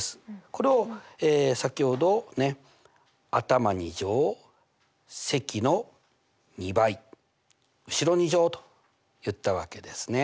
これを先ほど頭２乗積の２倍後ろ２乗と言ったわけですね。